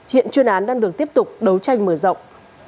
hiện chuyên án đang được tiếp tục đấu tranh mở rộng